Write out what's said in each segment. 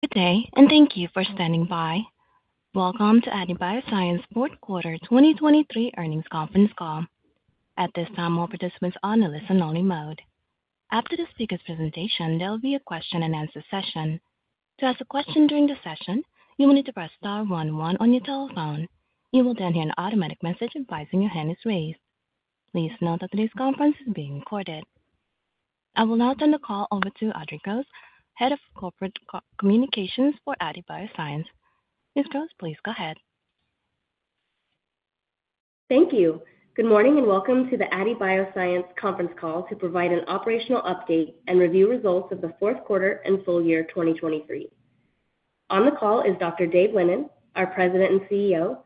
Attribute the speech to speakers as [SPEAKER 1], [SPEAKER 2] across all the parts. [SPEAKER 1] Good day, and thank you for standing by. Welcome to Aadi Bioscience Fourth Quarter 2023 earnings conference call. At this time, all participants are in a listen-only mode. After the speaker's presentation, there will be a question-and-answer session. To ask a question during the session, you will need to press star one one on your telephone. You will then hear an automatic message advising your hand is raised. Please note that today's conference is being recorded. I will now turn the call over to Audrey Gross, Head of Corporate Communications for Aadi Bioscience. Ms. Gross, please go ahead.
[SPEAKER 2] Thank you. Good morning and welcome to the Aadi Bioscience conference call to provide an operational update and review results of the Fourth Quarter and full year 2023. On the call is Dr. Dave Lennon, our President and CEO,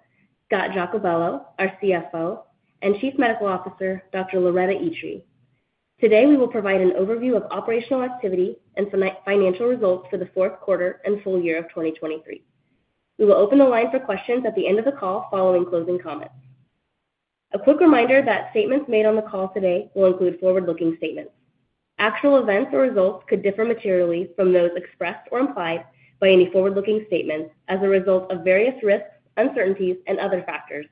[SPEAKER 2] Scott Giacobello, our CFO, and Chief Medical Officer, Dr. Loretta Itri. Today we will provide an overview of operational activity and financial results for the fourth quarter and full year of 2023. We will open the line for questions at the end of the call following closing comments. A quick reminder that statements made on the call today will include forward-looking statements. Actual events or results could differ materially from those expressed or implied by any forward-looking statements as a result of various risks, uncertainties, and other factors,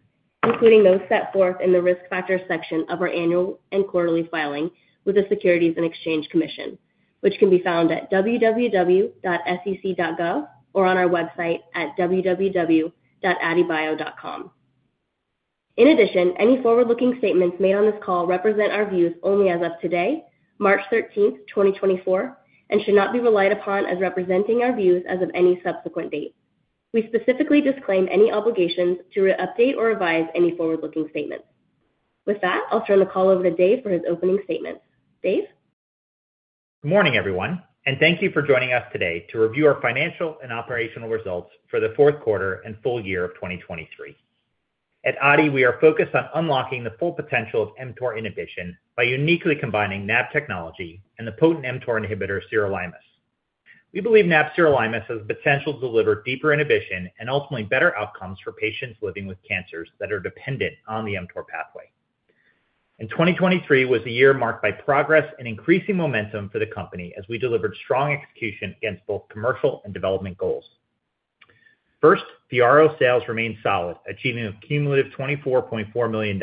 [SPEAKER 2] including those set forth in the risk factors section of our annual and quarterly filings with the Securities and Exchange Commission, which can be found at www.sec.gov or on our website at www.aadibio.com. In addition, any forward-looking statements made on this call represent our views only as of today, March 13, 2024, and should not be relied upon as representing our views as of any subsequent date. We specifically disclaim any obligations to update or revise any forward-looking statements. With that, I'll turn the call over to Dave for his opening statements. Dave?
[SPEAKER 3] Good morning, everyone, and thank you for joining us today to review our financial and operational results for the fourth quarter and full year of 2023. At Aadi, we are focused on unlocking the full potential of mTOR inhibition by uniquely combining nab technology and the potent mTOR inhibitor sirolimus. We believe nab-sirolimus has the potential to deliver deeper inhibition and ultimately better outcomes for patients living with cancers that are dependent on the mTOR pathway. 2023 was a year marked by progress and increasing momentum for the company as we delivered strong execution against both commercial and development goals. First, FYARRO sales remained solid, achieving a cumulative $24.4 million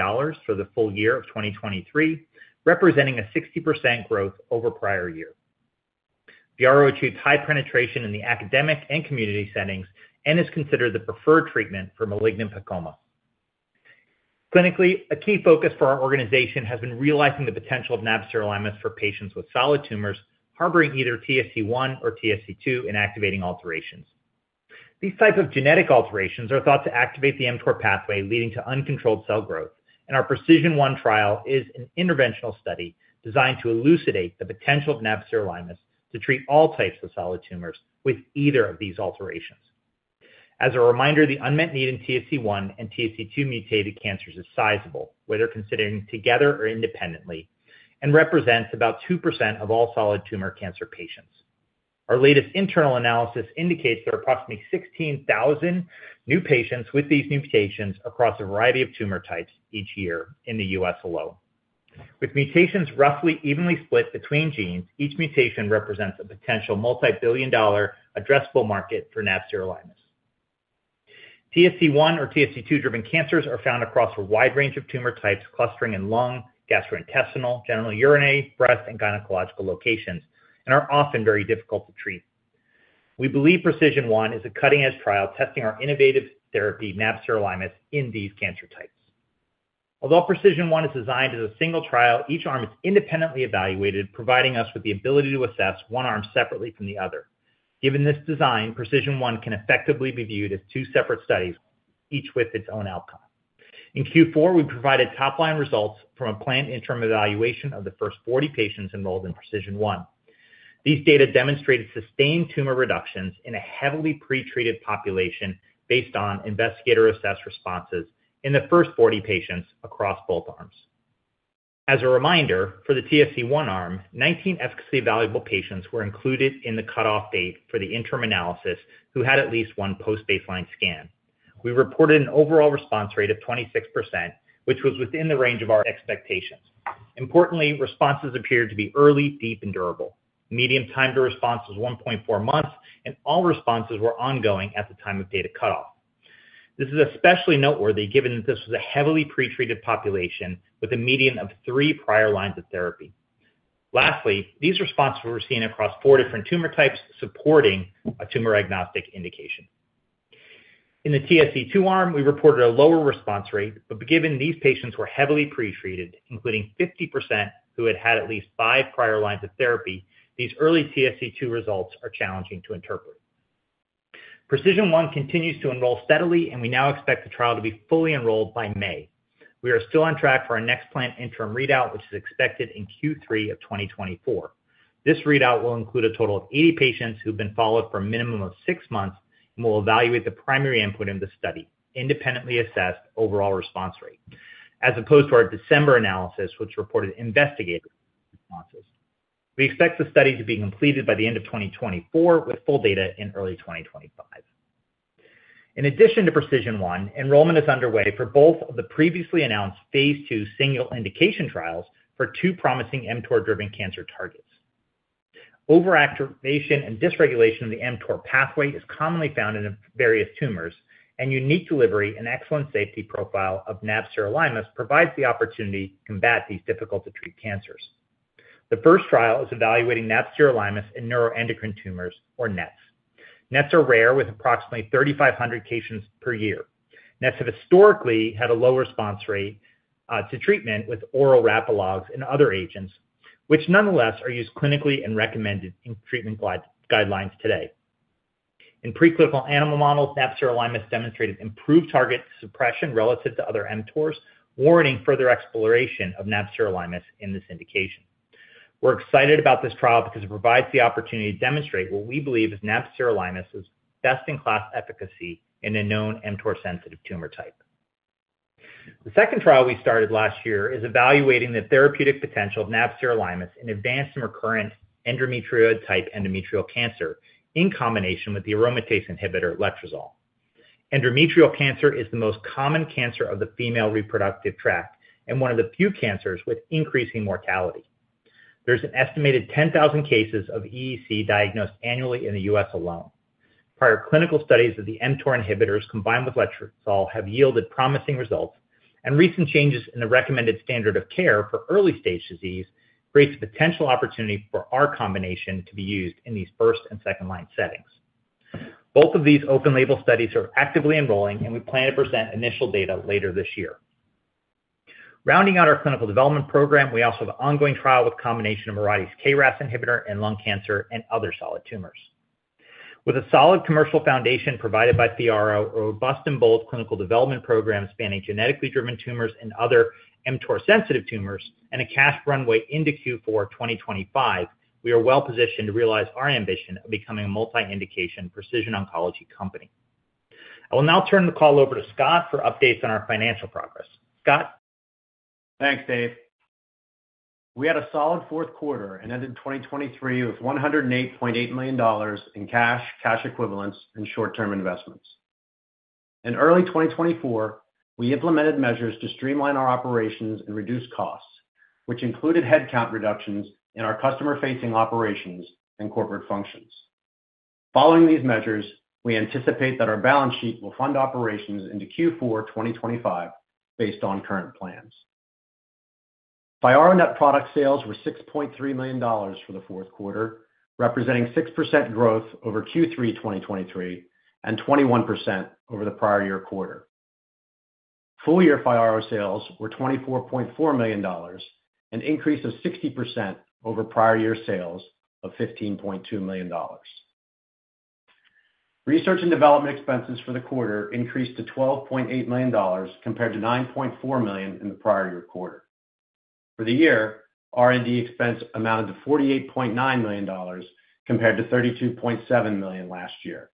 [SPEAKER 3] for the full year of 2023, representing 60% growth over prior year. FYARRO achieved high penetration in the academic and community settings and is considered the preferred treatment for malignant PEComa. Clinically, a key focus for our organization has been realizing the potential of nab-sirolimus for patients with solid tumors, harboring either TSC1 or TSC2 inactivating alterations. These types of genetic alterations are thought to activate the mTOR pathway, leading to uncontrolled cell growth, and our PRECISION 1 trial is an interventional study designed to elucidate the potential of nab-sirolimus to treat all types of solid tumors with either of these alterations. As a reminder, the unmet need in TSC1 and TSC2 mutated cancers is sizable, whether considering together or independently, and represents about 2% of all solid tumor cancer patients. Our latest internal analysis indicates there are approximately 16,000 new patients with these mutations across a variety of tumor types each year in the U.S. alone. With mutations roughly evenly split between genes, each mutation represents a potential multi-billion-dollar addressable market for nab-sirolimus. TSC1 or TSC2-driven cancers are found across a wide range of tumor types clustering in lung, genitourinary, breast, and gynecological locations, and are often very difficult to treat. We believe PRECISION 1 is a cutting-edge trial testing our innovative therapy, nab-sirolimus, in these cancer types. Although PRECISION 1 is designed as a single trial, each arm is independently evaluated, providing us with the ability to assess one arm separately from the other. Given this design, PRECISION 1 can effectively be viewed as two separate studies, each with its own outcome. In Q4, we provided top-line results from a planned interim evaluation of the first 40 patients enrolled in PRECISION 1. These data demonstrated sustained tumor reductions in a heavily pretreated population based on investigator-assessed responses in the first 40 patients across both arms. As a reminder, for the TSC1 arm, 19 efficacy-evaluable patients were included in the cutoff date for the interim analysis who had at least one post-baseline scan. We reported an overall response rate of 26%, which was within the range of our expectations. Importantly, responses appeared to be early, deep, and durable. Median time to response was 1.4 months, and all responses were ongoing at the time of data cutoff. This is especially noteworthy given that this was a heavily pretreated population with a median of three prior lines of therapy. Lastly, these responses were seen across four different tumor types supporting a tumor-agnostic indication. In the TSC2 arm, we reported a lower response rate, but given these patients were heavily pretreated, including 50% who had had at least five prior lines of therapy, these early TSC2 results are challenging to interpret. PRECISION 1 continues to enroll steadily, and we now expect the trial to be fully enrolled by May. We are still on track for our next planned interim readout, which is expected in Q3 of 2024. This readout will include a total of 80 patients who have been followed for a minimum of six months and will evaluate the primary endpoint in the study, independently assessed overall response rate, as opposed to our December analysis, which reported investigator responses. We expect the study to be completed by the end of 2024 with full data in early 2025. In addition to PRECISION 1, enrollment is underway for both of the previously announced phase 2 single indication trials for two promising mTOR-driven cancer targets. Overactivation and dysregulation of the mTOR pathway is commonly found in various tumors, and unique delivery and excellent safety profile of nab-sirolimus provides the opportunity to combat these difficult-to-treat cancers. The first trial is evaluating nab-sirolimus in neuroendocrine tumors, or NETs. NETs are rare, with approximately 3,500 cases per year. NETs have historically had a low response rate to treatment with oral rapalogs and other agents, which nonetheless are used clinically and recommended in treatment guidelines today. In preclinical animal models, nab-sirolimus demonstrated improved target suppression relative to other mTORs, warranting further exploration of nab-sirolimus in this indication. We're excited about this trial because it provides the opportunity to demonstrate what we believe is nab-sirolimus's best-in-class efficacy in a known mTOR-sensitive tumor type. The second trial we started last year is evaluating the therapeutic potential of nab-sirolimus in advanced and recurrent endometrioid-type endometrial cancer in combination with the aromatase inhibitor letrozole. Endometrial cancer is the most common cancer of the female reproductive tract and one of the few cancers with increasing mortality. There's an estimated 10,000 cases of EEC diagnosed annually in the U.S. alone. Prior clinical studies of the mTOR inhibitors combined with letrozole have yielded promising results, and recent changes in the recommended standard of care for early-stage disease create the potential opportunity for our combination to be used in these first- and second-line settings. Both of these open-label studies are actively enrolling, and we plan to present initial data later this year. Rounding out our clinical development program, we also have an ongoing trial with a combination of Mirati's KRAS inhibitor in lung cancer and other solid tumors. With a solid commercial foundation provided by FYARRO, a robust and bold clinical development program spanning genetically-driven tumors and other mTOR-sensitive tumors, and a cash runway into Q4 2025, we are well positioned to realize our ambition of becoming a multi-indication precision oncology company. I will now turn the call over to Scott for updates on our financial progress. Scott?
[SPEAKER 4] Thanks, Dave. We had a solid fourth quarter and ended 2023 with $108.8 million in cash, cash equivalents, and short-term investments. In early 2024, we implemented measures to streamline our operations and reduce costs, which included headcount reductions in our customer-facing operations and corporate functions. Following these measures, we anticipate that our balance sheet will fund operations into Q4 2025 based on current plans. FYARRO net product sales were $6.3 million for the fourth quarter, representing 6% growth over Q3 2023 and 21% over the prior year quarter. Full-year FYARRO sales were $24.4 million, an increase of 60% over prior year sales of $15.2 million. Research and development expenses for the quarter increased to $12.8 million compared to $9.4 million in the prior year quarter. For the year, R&D expense amounted to $48.9 million compared to $32.7 million last year.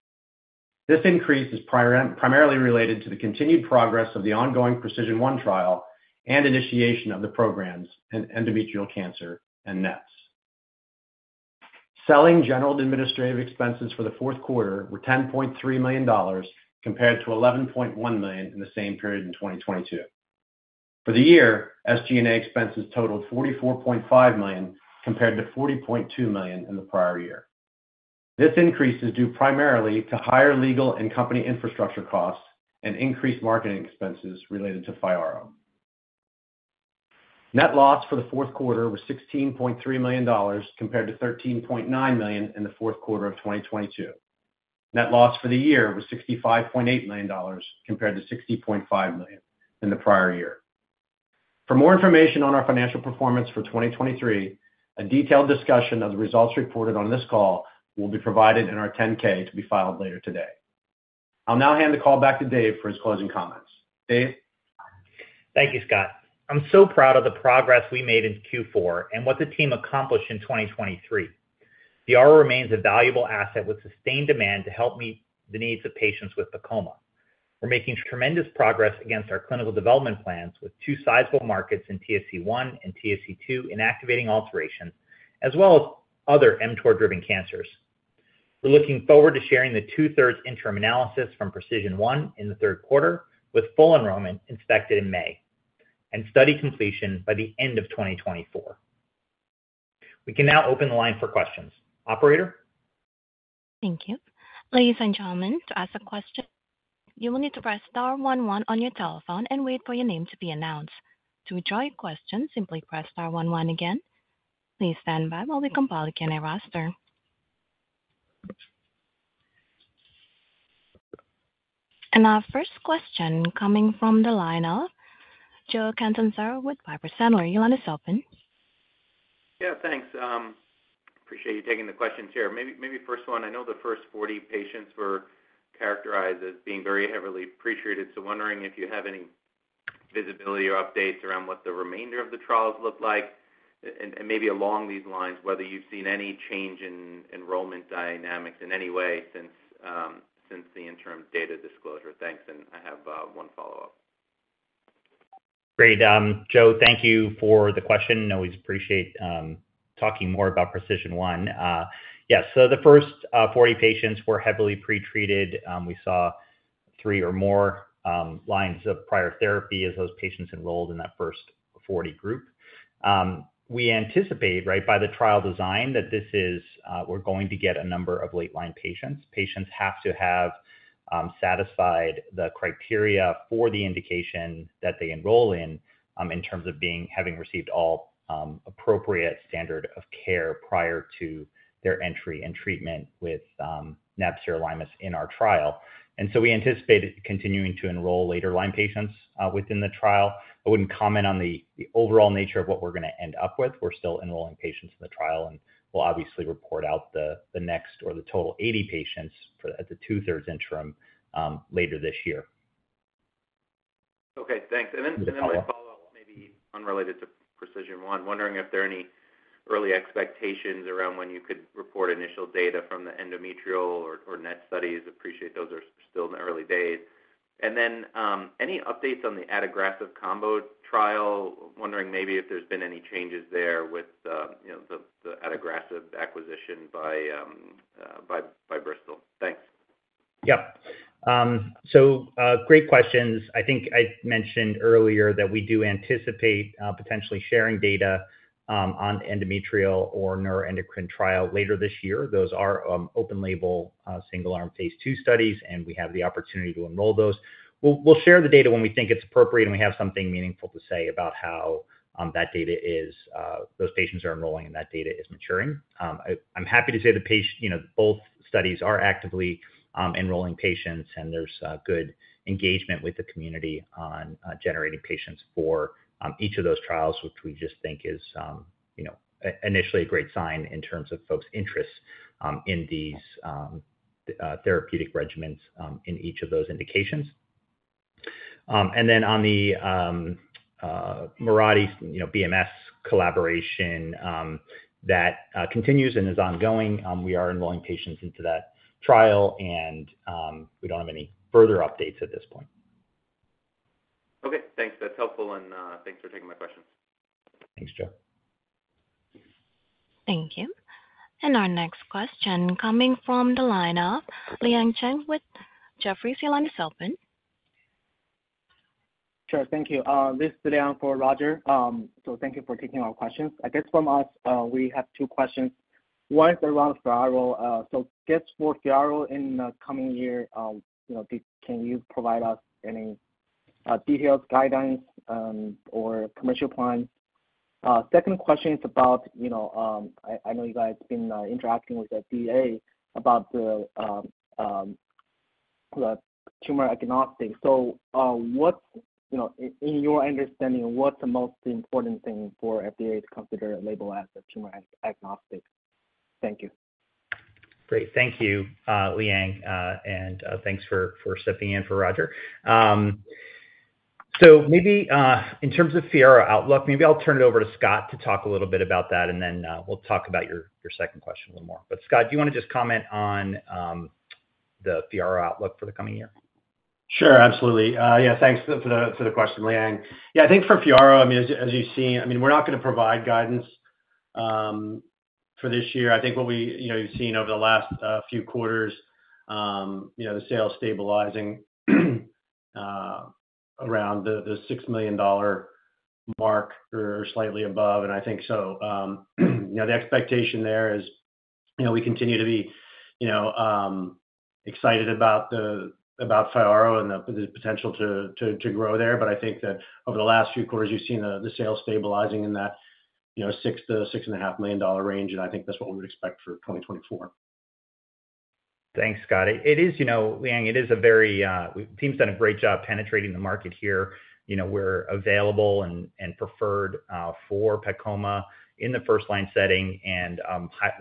[SPEAKER 4] This increase is primarily related to the continued progress of the ongoing PRECISION 1 trial and initiation of the programs in endometrial cancer and NETs. Selling, general and administrative expenses for the fourth quarter were $10.3 million compared to $11.1 million in the same period in 2022. For the year, SG&A expenses totaled $44.5 million compared to $40.2 million in the prior year. This increase is due primarily to higher legal and company infrastructure costs and increased marketing expenses related to FYARRO. Net loss for the fourth quarter was $16.3 million compared to $13.9 million in the fourth quarter of 2022. Net loss for the year was $65.8 million compared to $60.5 million in the prior year. For more information on our financial performance for 2023, a detailed discussion of the results reported on this call will be provided in our 10-K to be filed later today. I'll now hand the call back to Dave for his closing comments. Dave?
[SPEAKER 3] Thank you, Scott. I'm so proud of the progress we made in Q4 and what the team accomplished in 2023. FYARRO remains a valuable asset with sustained demand to help meet the needs of patients with PEComa. We're making tremendous progress against our clinical development plans with two sizable markets in TSC1 and TSC2 inactivating alterations, as well as other mTOR-driven cancers. We're looking forward to sharing the 2/3 interim analysis from PRECISION 1 in the third quarter with full enrollment expected in May and study completion by the end of 2024. We can now open the line for questions. Operator?
[SPEAKER 1] Thank you. Ladies and gentlemen, to ask a question, you will need to press star one one on your telephone and wait for your name to be announced. To withdraw your question, simply press star one one again. Please stand by while we compile the Q&A roster. Our first question coming from the line of Joe Catanzaro with Piper Sandler. Your line is open.
[SPEAKER 5] Yeah, thanks. Appreciate you taking the questions here. Maybe first one. I know the first 40 patients were characterized as being very heavily pretreated, so wondering if you have any visibility or updates around what the remainder of the trials looked like, and maybe along these lines, whether you've seen any change in enrollment dynamics in any way since the interim data disclosure? Thanks, and I have one follow-up.
[SPEAKER 3] Great. Joe, thank you for the question. Always appreciate talking more about Precision 1. Yeah, so the first 40 patients were heavily pretreated. We saw 3 or more lines of prior therapy as those patients enrolled in that first 40 group. We anticipate, right, by the trial design that this is we're going to get a number of late-line patients. Patients have to have satisfied the criteria for the indication that they enroll in in terms of having received all appropriate standard of care prior to their entry and treatment with nab-sirolimus in our trial. We anticipate continuing to enroll later-line patients within the trial. I wouldn't comment on the overall nature of what we're going to end up with. We're still enrolling patients in the trial and will obviously report out the next or the total 80 patients at the two-thirds interim later this year.
[SPEAKER 5] Okay, thanks. Then my follow-up, maybe unrelated to PRECISION 1, wondering if there are any early expectations around when you could report initial data from the endometrial or NET studies. Appreciate those are still in the early days. Then any updates on the adagrasib combo trial? Wondering maybe if there's been any changes there with the adagrasib acquisition by Bristol. Thanks.
[SPEAKER 3] Yep. Great questions. I think I mentioned earlier that we do anticipate potentially sharing data on endometrial or neuroendocrine trial later this year. Those are open-label single-arm phase II studies, and we have the opportunity to enroll those. We'll share the data when we think it's appropriate and we have something meaningful to say about how those patients are enrolling and that data is maturing. I'm happy to say that both studies are actively enrolling patients, and there's good engagement with the community on generating patients for each of those trials, which we just think is initially a great sign in terms of folks' interests in these therapeutic regimens in each of those indications. Then on the Mirati BMS collaboration that continues and is ongoing, we are enrolling patients into that trial, and we don't have any further updates at this point.
[SPEAKER 5] Okay, thanks. That's helpful, and thanks for taking my questions.
[SPEAKER 3] Thanks, Joe.
[SPEAKER 1] Thank you. Our next question coming from the line of Liang Cheng with Jefferies. Your line is open.
[SPEAKER 6] Sure. Thank you. This is Liang for Roger. Thank you for taking our questions. I guess from us, we have two questions. One is around FYARRO. I guess for FYARRO in the coming year, can you provide us any details, guidance, or commercial plans? Second question is about. I know you guys have been interacting with FDA about the tumor-agnostic. In your understanding, what's the most important thing for FDA to consider a labeled as a tumor-agnostic? Thank you.
[SPEAKER 3] Great. Thank you, Liang. Thanks for stepping in for Roger. Maybe in terms of FYARRO outlook, maybe I'll turn it over to Scott to talk a little bit about that, and then we'll talk about your second question a little more. Scott, do you want to just comment on the FYARRO outlook for the coming year?
[SPEAKER 4] Sure, absolutely. Yeah, thanks for the question, Liang. Yeah, I think for FYARRO, I mean, as you've seen, I mean, we're not going to provide guidance for this year. I think what we've seen over the last few quarters, the sales stabilizing around the $6 million mark or slightly above, and I think so the expectation there is we continue to be excited about FYARRO and the potential to grow there. I think that over the last few quarters, you've seen the sales stabilizing in that $6-$6.5 million range, and I think that's what we would expect for 2024.
[SPEAKER 3] Thanks, Scott. Liang, it is the team's done a great job penetrating the market here. We're available and preferred for PEComa in the first-line setting and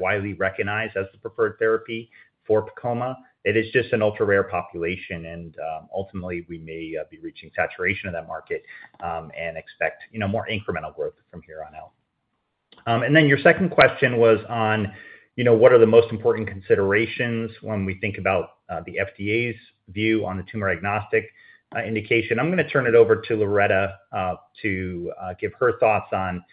[SPEAKER 3] widely recognized as the preferred therapy for PEComa. It is just an ultra-rare population, and ultimately, we may be reaching saturation of that market and expect more incremental growth from here on out. Then your second question was on what are the most important considerations when we think about the FDA's view on the tumor agnostic indication. I'm going to turn it over to Loretta to give her thoughts on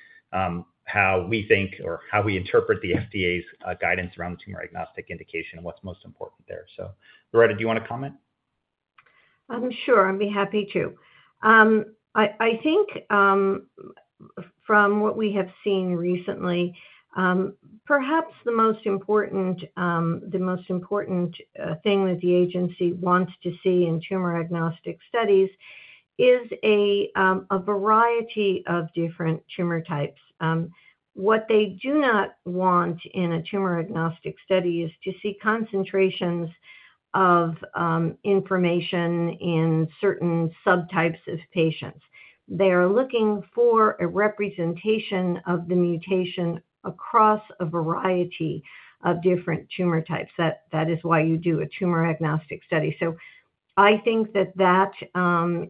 [SPEAKER 3] how we think or how we interpret the FDA's guidance around the tumor agnostic indication and what's most important there. Loretta, do you want to comment?
[SPEAKER 7] Sure. I'll be happy to. I think from what we have seen recently, perhaps the most important thing that the agency wants to see in tumor agnostic studies is a variety of different tumor types. What they do not want in a tumor agnostic study is to see concentrations of information in certain subtypes of patients. They are looking for a representation of the mutation across a variety of different tumor types. That is why you do a tumor agnostic study. I think that that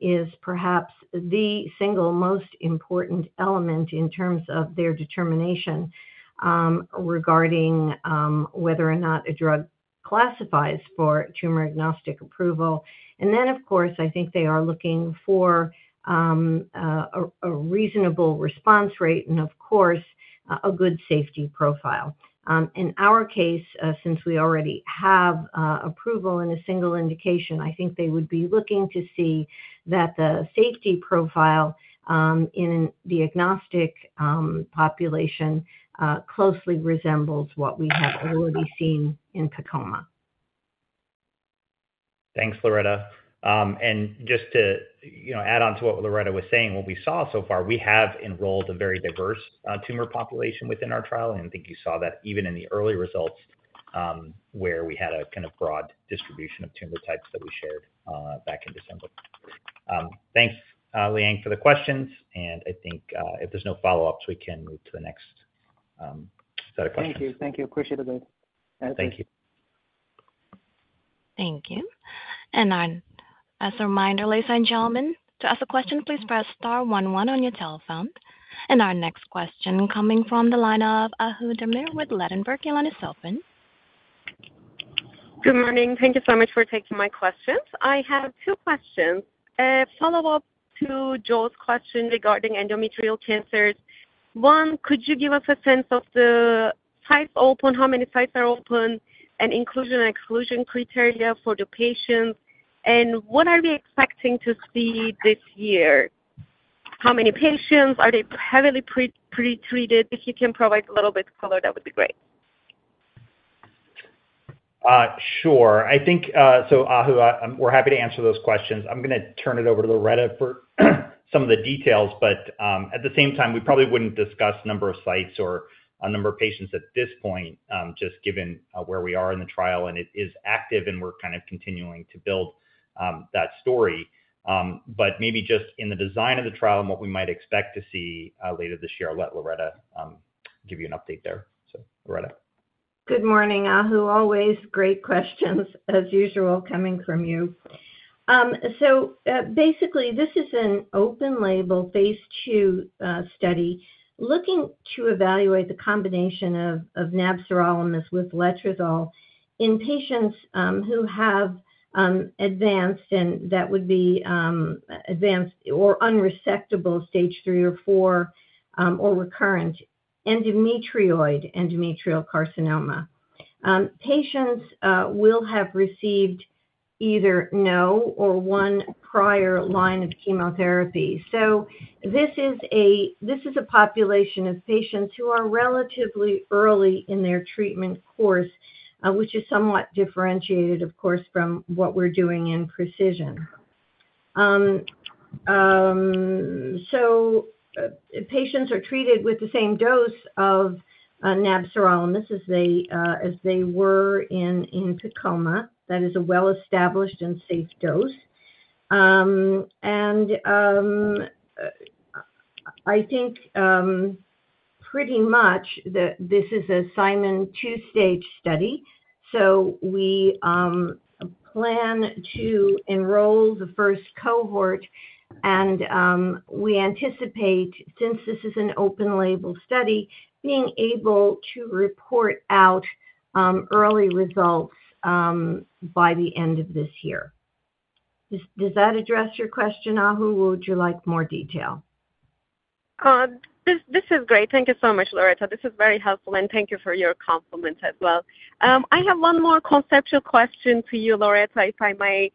[SPEAKER 7] is perhaps the single most important element in terms of their determination regarding whether or not a drug classifies for tumor agnostic approval. Then, of course, I think they are looking for a reasonable response rate and, of course, a good safety profile. In our case, since we already have approval in a single indication, I think they would be looking to see that the safety profile in the agnostic population closely resembles what we have already seen in PEComa.
[SPEAKER 3] Thanks, Loretta. Just to add on to what Loretta was saying, what we saw so far, we have enrolled a very diverse tumor population within our trial, and I think you saw that even in the early results where we had a kind of broad distribution of tumor types that we shared back in December. Thanks, Liang, for the questions, and I think if there's no follow-ups, we can move to the next. Is that a question?
[SPEAKER 6] Thank you. Thank you. Appreciate it, guys.
[SPEAKER 3] Thank you.
[SPEAKER 1] Thank you. As a reminder, ladies and gentlemen, to ask a question, please press star one one on your telephone. Our next question coming from the line of Ahu Demir with Ladenburg. Your line is open.
[SPEAKER 8] Good morning. Thank you so much for taking my questions. I have two questions. A follow-up to Joe's question regarding endometrial cancers. One, could you give us a sense of the sites open, how many sites are open, and inclusion and exclusion criteria for the patients? What are we expecting to see this year? How many patients? Are they heavily pretreated? If you can provide a little bit of color, that would be great.
[SPEAKER 3] Sure. Ahu, we're happy to answer those questions. I'm going to turn it over to Loretta for some of the details, but at the same time, we probably wouldn't discuss the number of sites or a number of patients at this point just given where we are in the trial, and it is active, and we're kind of continuing to build that story. maybe just in the design of the trial and what we might expect to see later this year, I'll let Loretta give you an update there. Loretta?
[SPEAKER 7] Good morning, Ahu. Always great questions, as usual, coming from you. Basically, this is an open-label phase II study looking to evaluate the combination of nab-sirolimus with letrozole in patients who have advanced, and that would be advanced or unresectable stage 3 or 4 or recurrent endometrioid endometrial carcinoma. Patients will have received either no or one prior line of chemotherapy. This is a population of patients who are relatively early in their treatment course, which is somewhat differentiated, of course, from what we're doing in Precision. Patients are treated with the same dose of nab-sirolimus as they were in PEComa. That is a well-established and safe dose. I think pretty much this is a Simon two-stage study. We plan to enroll the first cohort, and we anticipate, since this is an open-label study, being able to report out early results by the end of this year. Does that address your question, Ahu? Would you like more detail?
[SPEAKER 8] This is great. Thank you so much, Loretta. This is very helpful, and thank you for your compliments as well. I have one more conceptual question to you, Loretta, if I may.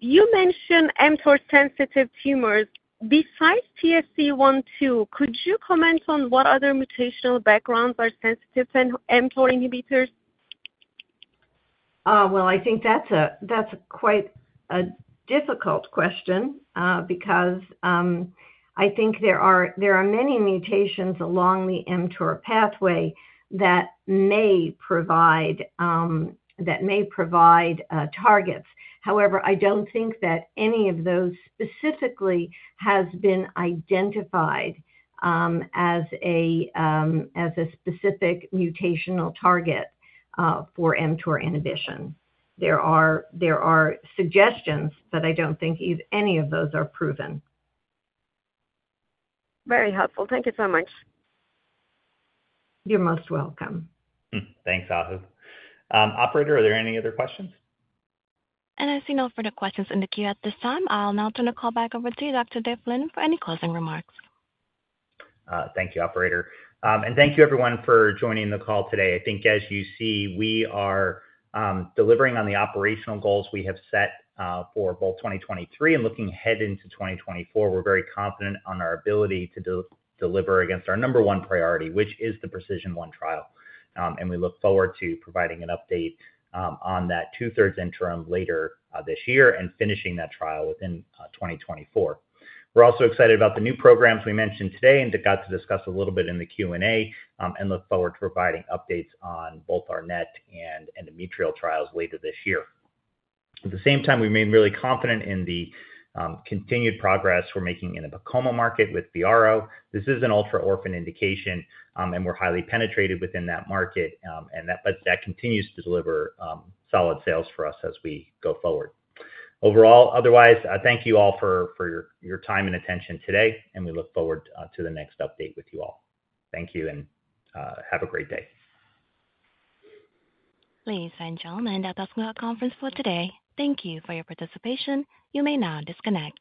[SPEAKER 8] You mentioned mTOR-sensitive tumors. Besides TSC1/2, could you comment on what other mutational backgrounds are sensitive to mTOR inhibitors?
[SPEAKER 7] Well, I think that's quite a difficult question because I think there are many mutations along the mTOR pathway that may provide targets. However, I don't think that any of those specifically has been identified as a specific mutational target for mTOR inhibition. There are suggestions, but I don't think any of those are proven.
[SPEAKER 8] Very helpful. Thank you so much.
[SPEAKER 7] You're most welcome.
[SPEAKER 3] Thanks, Ahu. Operator, are there any other questions?
[SPEAKER 1] I see no further questions in the queue at this time. I'll now turn the call back over to you, Dr. Dave Lennon, for any closing remarks.
[SPEAKER 3] Thank you, Operator. Thank you, everyone, for joining the call today. I think, as you see, we are delivering on the operational goals we have set for both 2023 and looking ahead into 2024. We're very confident in our ability to deliver against our number one priority, which is the PRECISION 1 trial. We look forward to providing an update on that 2/3 interim later this year and finishing that trial within 2024. We're also excited about the new programs we mentioned today and got to discuss a little bit in the Q&A and look forward to providing updates on both our NET and endometrial trials later this year. At the same time, we've been really confident in the continued progress we're making in the PEComa market with FYARRO. This is an ultra-orphan indication, and we're highly penetrated within that market, but that continues to deliver solid sales for us as we go forward. Overall, otherwise, thank you all for your time and attention today, and we look forward to the next update with you all. Thank you, and have a great day.
[SPEAKER 1] Ladies and gentlemen, that does conclude our conference for today. Thank you for your participation. You may now disconnect.